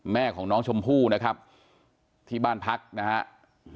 แม่ของน้องชมพู่นะครับที่บ้านพักนะครับ